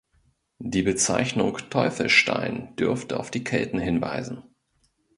Die Bezeichnung „Teufelsstein“ dürfte auf die Kelten hinweisen.